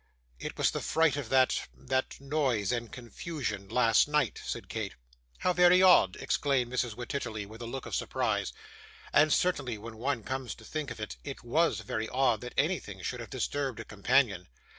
'It was the fright of that that noise and confusion last night,' said Kate. 'How very odd!' exclaimed Mrs. Wititterly, with a look of surprise. And certainly, when one comes to think of it, it WAS very odd that anything should have disturbed a companion.